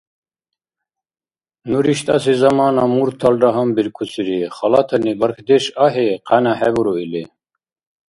Ну риштӀаси замана мурталра гьанбиркусири халатани бархьдеш ахӀи къяна хӀебуру или.